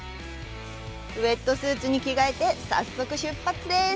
ウェットスーツに着がえて早速、出発です！